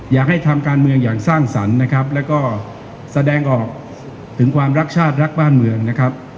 อยากให้ทำการเมืองอย่างสร้างสรรค์นะครับแล้วก็แสดงออกถึงความรักชาติรักบ้านเมืองนะครับ